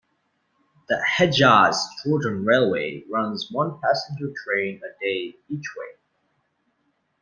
The Hedjaz Jordan Railway runs one passenger train a day each way.